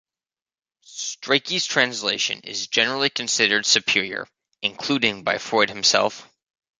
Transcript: Strachey's translation is generally considered superior, including by Freud himself.